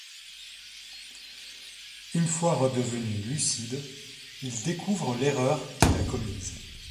Une fois redevenu lucide, il découvre l'erreur qu'il a commise.